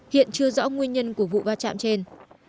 hiện chưa rõ nguyên nhân của vụ va chạm trên